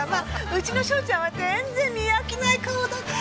うちの章ちゃんは全然見飽きない顔だから。